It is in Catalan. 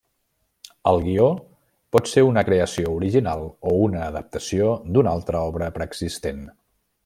El guió pot ser una creació original o una adaptació d'una altra obra preexistent.